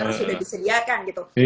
karena sudah disediakan gitu